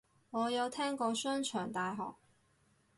我有聽過商場大學